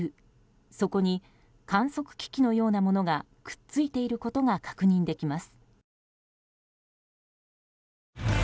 そこに、観測機器のようなものがくっついていることが確認できます。